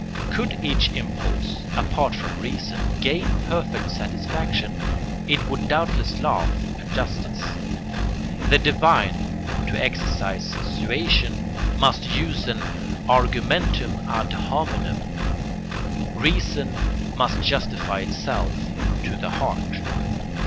] Could each impulse, apart from reason, gain perfect satisfaction, it would doubtless laugh at justice. The divine, to exercise suasion, must use an argumentum ad hominem; reason must justify itself to the heart.